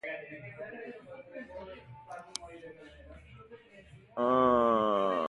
Antonio Campos nació en Santiago.